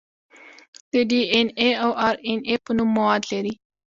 د ډي ان اې او ار ان اې په نوم مواد لري.